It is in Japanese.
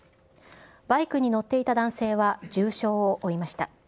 バイクに乗っていた男性は重傷を負いました。